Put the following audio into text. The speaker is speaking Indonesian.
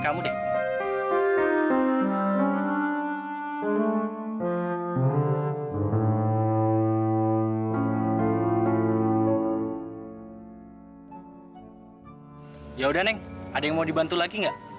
ya udah neng ada yang mau dibantu lagi nggak